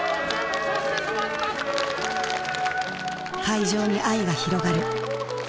会場に愛が広がる。